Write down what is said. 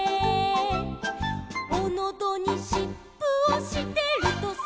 「おのどにしっぷをしてるとさ」